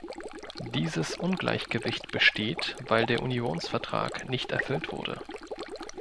Dieses Ungleichgewicht besteht, weil der Unionsvertrag nicht erfüllt wurde.